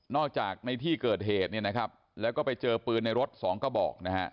จากในที่เกิดเหตุเนี่ยนะครับแล้วก็ไปเจอปืนในรถสองกระบอกนะฮะ